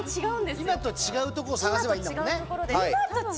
今と違うとこを探せばいいんだもんね。